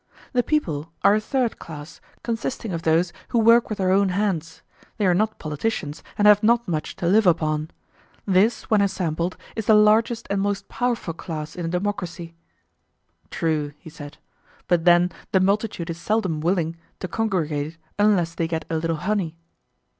The people are a third class, consisting of those who work with their own hands; they are not politicians, and have not much to live upon. This, when assembled, is the largest and most powerful class in a democracy. True, he said; but then the multitude is seldom willing to congregate unless they get a little honey.